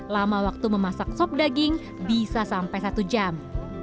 lama waktu memasak sop daging bisa sampai satu jam